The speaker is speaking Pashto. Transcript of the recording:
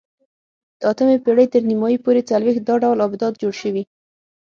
د اتمې پېړۍ تر نیمایي پورې څلوېښت دا ډول آبدات جوړ شوي